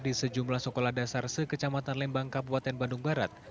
di sejumlah sekolah dasar sekecamatan lembang kabupaten bandung barat